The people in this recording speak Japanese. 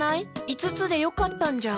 いつつでよかったんじゃ。